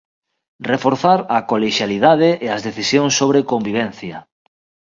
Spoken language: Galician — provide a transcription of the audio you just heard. Reforzar a colexialidade e as decisións sobre convivencia.